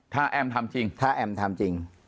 ถ้าแอมทำจริง